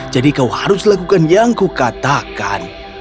jadi kau harus lakukan yang kukatakan